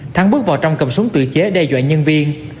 thắng bước vào trong cầm súng tự chế đe dọa nhân viên